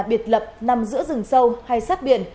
biệt lập nằm giữa rừng sâu hay sát biển